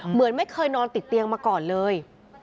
เหมือนไม่เคยนอนติดเตียงมาก่อนเลย